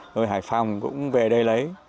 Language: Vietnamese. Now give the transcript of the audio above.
rồi hải phòng cũng về đây lấy